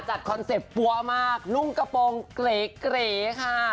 คอนเซ็ปต์ปั๊วมากนุ่งกระโปรงเกรค่ะ